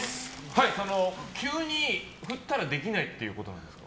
急に振ったらできないということですか？